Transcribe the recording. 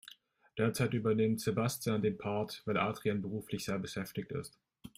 Derzeit übernimmt Sebastian den Part, weil Adrian beruflich sehr beschäftigt ist.